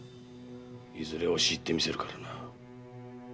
〔いずれ押し入ってみせるからな〕